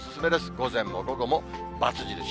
午前も午後もバツ印。